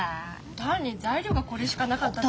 単に材料がこれしかなかったって。